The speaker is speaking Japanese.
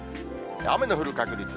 雨の降る確率。